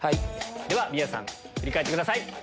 では宮治さん振り返ってください。